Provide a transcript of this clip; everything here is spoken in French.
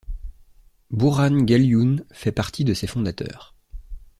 Burhan Ghalioun fait partie de ses fondateurs.